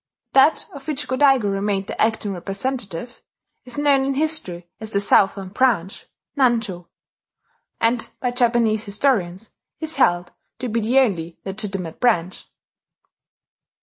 That of which Go Daigo remained the acting representative, is known in history as the Southern Branch (Nancho), and by Japanese historians is held to be the only legitimate branch.